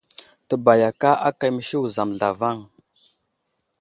Təbayaka ákà məsi wuzam zlavaŋ.